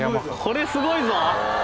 これすごいぞ！